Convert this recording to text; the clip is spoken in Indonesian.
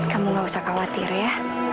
kamu gak usah khawatir ya